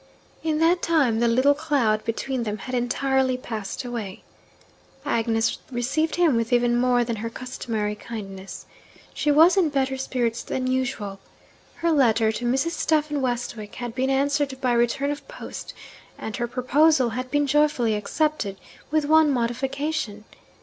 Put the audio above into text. In that time, the little cloud between them had entirely passed away. Agnes received him with even more than her customary kindness. She was in better spirits than usual. Her letter to Mrs. Stephen Westwick had been answered by return of post; and her proposal had been joyfully accepted, with one modification.